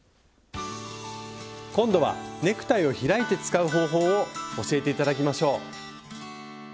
今度はネクタイを開いて使う方法を教えて頂きましょう。